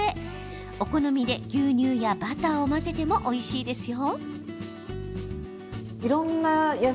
お好みで牛乳やバターを混ぜてもおいしいですよ。